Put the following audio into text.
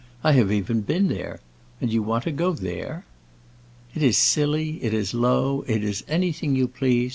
I have even been there. And you want to go there?" "It is silly, it is low, it is anything you please.